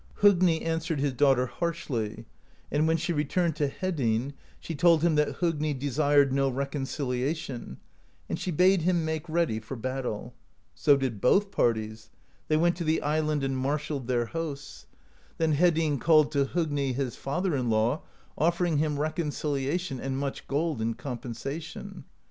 "Hogni answered his daughter harshly; and when she returned to Hedinn, she told him that Hogni desired no reconciliation, and she bade him make ready for battle. So did both parties: they went to the island and marshalled THE POESY OF SKALDS 189 their hosts. Then Hedinn called to Hogni his father in law, offering him reconciliation and much gold in com pensation.